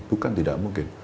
bukan tidak mungkin